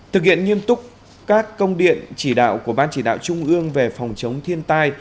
thực hiện nghiêm túc các công điện chỉ đạo của ban chỉ đạo trung ương về phòng chống thiên tai